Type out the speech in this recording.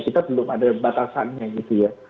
kita belum ada batas lagi